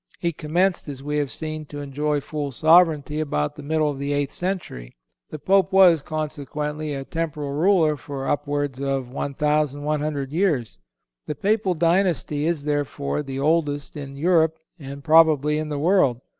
He commenced, as we have seen, to enjoy full sovereignty about the middle of the eighth century. The Pope was, consequently, a temporal ruler for upwards of 1,100 years. The Papal dynasty is, therefore, the oldest in Europe, and probably in the world.